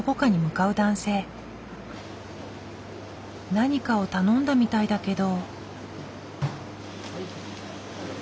何かを頼んだみたいだけど。